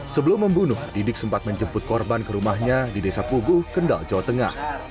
sebelum membunuh didik sempat menjemput korban ke rumahnya di desa pugu kendal jawa tengah